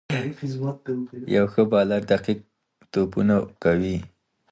یو ښه بالر دقیق توپونه کوي.